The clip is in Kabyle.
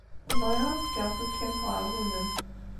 Bɣiɣ ad am-fkeɣ tukkimt ɣer wudem.